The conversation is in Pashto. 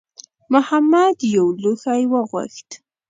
محمد یو لوښی وغوښت.